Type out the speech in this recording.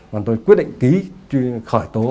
và tôi quyết định ký khởi tố